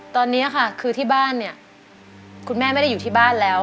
ตอนนี้ค่ะคือที่บ้านเนี่ยคุณแม่ไม่ได้อยู่ที่บ้านแล้ว